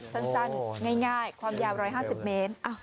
สั้นง่ายความยาว๑๕๐เมตร